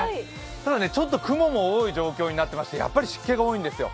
ただね、ちょっと雲が多い状況となっていて、やっぱり湿気が多いんですよ。